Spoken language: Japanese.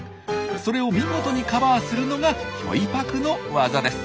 それを見事にカバーするのがヒョイパクの技です。